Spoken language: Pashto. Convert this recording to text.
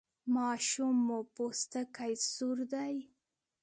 ماشوم مو پوستکی سور دی؟